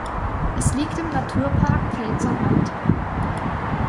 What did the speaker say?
Es liegt im Naturpark Pfälzerwald.